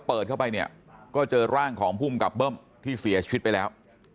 เปิดเข้าไปเนี่ยก็เจอร่างของภูมิกับเบิ้มที่เสียชีวิตไปแล้ว